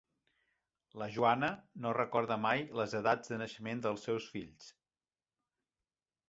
La Joana no recorda mai les edats de naixement dels seus fills.